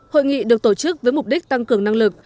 hội nghị được tổ chức với mục đích tăng cường năng lực